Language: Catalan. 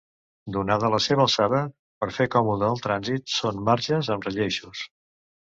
Donada la seva alçada, per fer còmode el trànsit són marges amb relleixos.